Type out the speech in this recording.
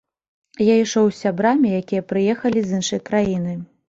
Я ішоў з сябрамі, якія прыехалі з іншай краіны.